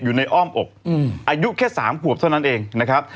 อ้อมอกอายุแค่๓ขวบเท่านั้นเองนะครับ